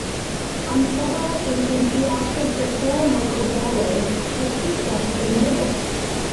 On several occasions he acted for Sir Michael Gallwey as chief justice of Natal.